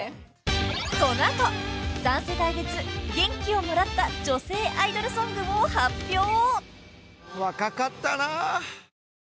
［この後３世代別元気をもらった女性アイドルソングを発表！］